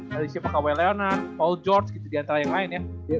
dari si pak kawai leonard paul george gitu di antara yang lain ya